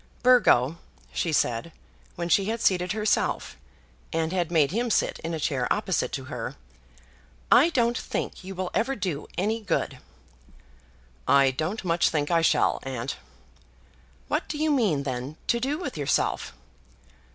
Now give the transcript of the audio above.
"Burgo," she said, when she had seated herself, and had made him sit in a chair opposite to her, "I don't think you will ever do any good." "I don't much think I shall, aunt." "What do you mean, then, to do with yourself?"